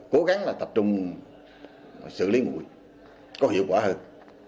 cố gắng là tập trung xử lý mũi có hiệu quả hơn